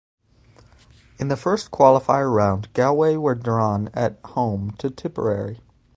In the first qualifier round, Galway were drawn at home to Tipperary.